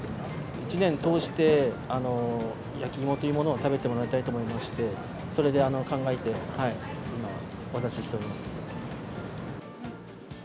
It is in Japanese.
１年通して焼き芋というものを食べてもらいたいと思いまして、それで考えて、今、お出ししております。